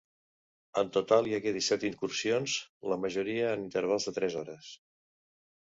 En total hi hagué disset incursions, la majoria en intervals de tres hores.